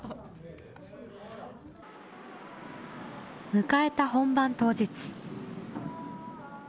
迎えた本番当日。